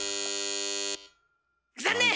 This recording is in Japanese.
残念！